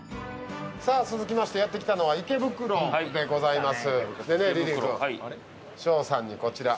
続きましてやってきたのは池袋でございます。